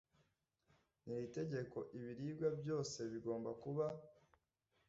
n iri tegeko Ibiribwa byose bigomba kuba